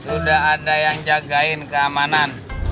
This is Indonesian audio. sudah ada yang jagain keamanan